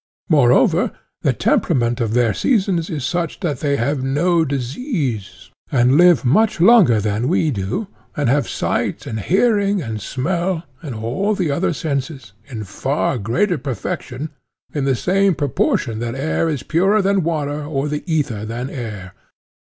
Moreover, the temperament of their seasons is such that they have no disease, and live much longer than we do, and have sight and hearing and smell, and all the other senses, in far greater perfection, in the same proportion that air is purer than water or the ether than air.